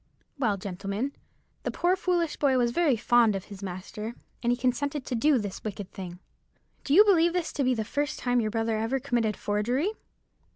Well, gentlemen, the poor foolish boy was very fond of his master, and he consented to do this wicked thing." "Do you believe this to be the first time your brother ever committed forgery?"